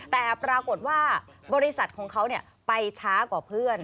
แต่ปรากฏว่าบริษัทของเขาไปช้ากว่าเพื่อน